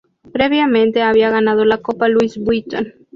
Previamente había ganado la Copa Louis Vuitton.